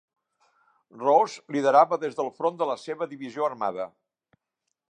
Rose liderava des del front de la seva divisió armada.